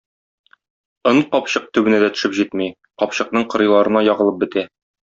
Он капчык төбенә дә төшеп җитми, капчыкның кырыйларына ягылып бетә.